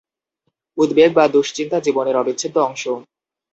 উদ্বেগ বা দুশ্চিন্তা জীবনের অবিচ্ছেদ্য অংশ।